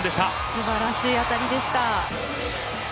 すばらしい当たりでした。